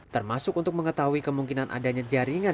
termasuk untuk mengetahui kemungkinan adanya jaringan